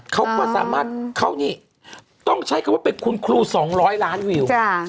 เขาก็สามารถเขานี่ต้องใช้คำว่าเป็นคุณครู๒๐๐ล้านวิว